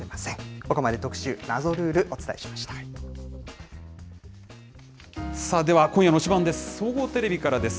ここまで特集、謎ルール、お伝えでは、今夜の推しバン！です。